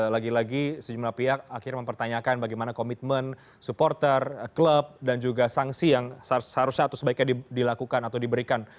lagi lagi sejumlah pihak akhirnya mempertanyakan bagaimana komitmen supporter klub dan juga sanksi yang seharusnya atau sebaiknya dilakukan atau diberikan